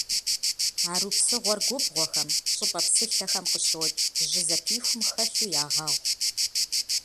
Арупсыгъуэр губгъуэхэм, щӏыпӏэ псылъэхэм къыщокӏ, жьы зэпихум хэлъу ягъэгъу.